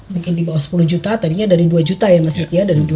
mungkin di bawah sepuluh juta tadinya dari dua juta ya mas hert ya